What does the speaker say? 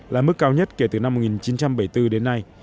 tỷ lệ cao nhất kể từ năm một nghìn chín trăm bảy mươi bốn đến nay